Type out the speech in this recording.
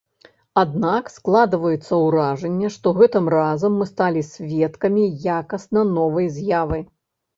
Аднак складваецца ўражанне, што гэтым разам мы сталі сведкамі якасна новай з'явы.